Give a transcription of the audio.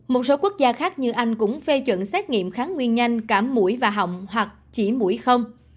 một số quốc gia khác như anh cũng phê chuẩn xét nghiệm kháng nguyên nhanh cả mũi và họng hoặc chỉ mũi không